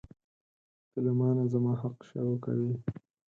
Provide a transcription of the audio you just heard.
ته له مانه زما حق شوکوې.